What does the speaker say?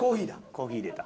コーヒー入れた。